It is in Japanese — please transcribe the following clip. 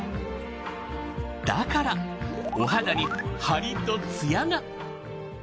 だからお肌にハリとツヤが。